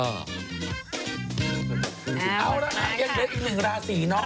เอาละค่ะยังเหลืออีกหนึ่งราศีน้อง